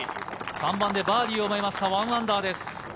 ３番でバーディーを奪いました、−１です。